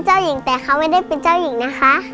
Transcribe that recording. เจ้าหญิงแต่เขาไม่ได้เป็นเจ้าหญิงนะคะ